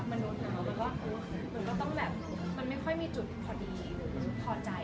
มันโดนเหนือมันก็ต้องแบบมันไม่ค่อยมีจุดพอดีหรือพอใจ